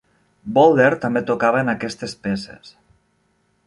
Bolder també tocava en aquestes peces.